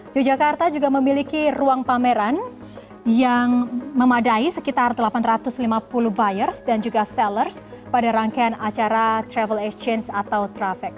yogyakarta juga memiliki ruang pameran yang memadai sekitar delapan ratus lima puluh buyers dan juga sellers pada rangkaian acara travel exchange atau traffic